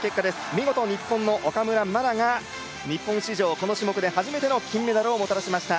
見事、日本の岡村真が日本史上、初めてこの種目で金メダルをもたらしました。